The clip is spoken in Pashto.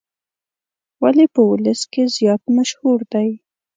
ولې په ولس کې زیات مشهور دی.